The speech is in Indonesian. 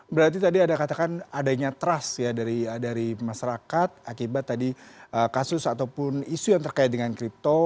berarti tadi ada katakan adanya trust ya dari masyarakat akibat tadi kasus ataupun isu yang terkait dengan kripto